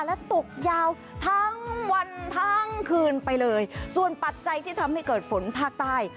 และตกยาวทั้งวันทั้งคืนไปเลยส่วนปัจจัยที่ทำให้เกิดฝนภาคใต้